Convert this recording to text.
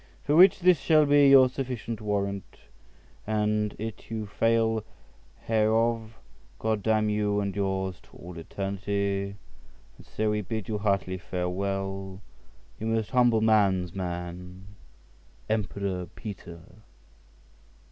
for which this shall be your sufficient warrant. And it you fail hereof, G— d—mn you and yours to all eternity. And so we bid you heartily farewell. Your most humble man's man, "EMPEROR PETER."